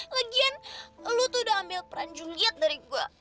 lagian lu tuh udah ambil peran juliet dari gue